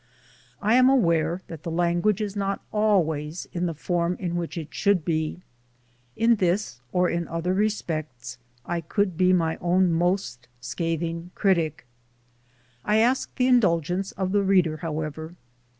I am aware that the language is not always in the form in which it should be. In this as in other respects I could be my own most scathing critic. I ask the indulgence of the reader, however.